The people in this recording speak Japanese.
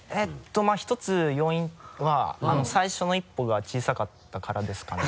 まぁ１つ要因は最初の１歩が小さかったからですかね。